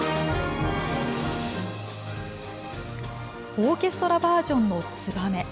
オーケストラバージョンの「ツバメ」。